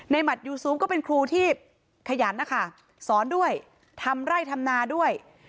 หมัดยูซูมก็เป็นครูที่ขยันนะคะสอนด้วยทำไร่ทำนาด้วย